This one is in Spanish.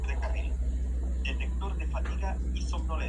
Se notificó de la caída de muchos árboles por todo el país.